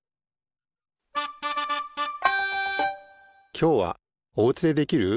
きょうはおうちでできる！